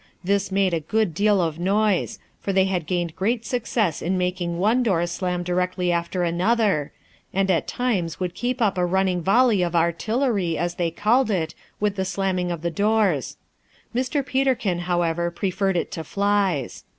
This made a good deal of noise, for they had gained great success in making one door slam directly after another, and at times would keep up a running volley of artillery, as they called it, with the slamming of the doors. Mr. Peterkin, however, preferred it to flies.